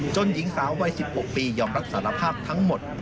หญิงสาววัย๑๖ปียอมรับสารภาพทั้งหมด